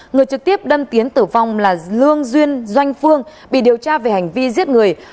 người trực tiếp đâm tiến tử vong là lương duyên doanh phương bị điều tra về hành vi giết người